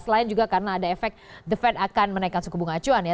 selain juga karena ada efek the fed akan menaikkan suku bunga acuan ya